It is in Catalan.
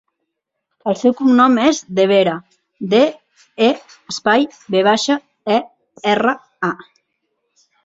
El seu cognom és De Vera: de, e, espai, ve baixa, e, erra, a.